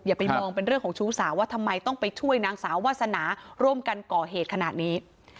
ไปมองเป็นเรื่องของชู้สาวว่าทำไมต้องไปช่วยนางสาววาสนาร่วมกันก่อเหตุขนาดนี้